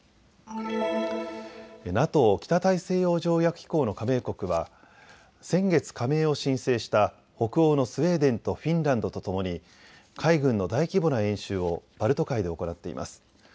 ＮＡＴＯ・北大西洋条約機構の加盟国は先月、加盟を申請した北欧のスウェーデンとフィンランドとともに海軍の大規模な演習をバルト海で行っています。